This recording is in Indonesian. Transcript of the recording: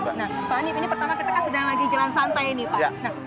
nah pak hanif ini pertama kita kan sedang lagi jalan santai nih pak